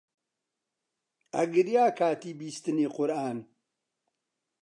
ئەگریا کاتی بیستنی قورئان